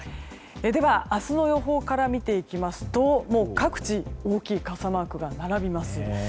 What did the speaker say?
では、明日の予報から見ていきますともう各地大きい傘マークが並びます。